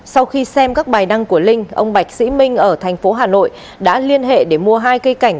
sau khi xem các bài đăng của linh ông bạch sĩ minh ở thành phố hà nội đã liên hệ để mua hai cây cảnh